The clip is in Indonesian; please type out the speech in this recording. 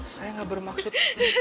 saya gak bermaksud